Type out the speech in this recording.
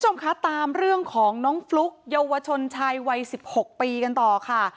คุณผู้ชมคะตามเรื่องของน้องฟลุ๊กเยาวชนชายวัย๑๖ปีกันต่อค่ะ